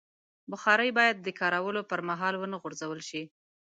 بخاري باید د کارولو پر مهال ونه غورځول شي.